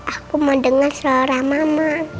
aku mau denger suara mama